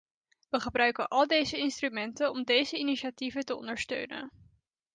We gebruiken al deze instrumenten om deze initiatieven te ondersteunen.